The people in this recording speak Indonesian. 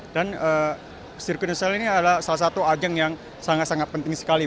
sirkuit nasional ini adalah salah satu ajang yang sangat sangat penting sekali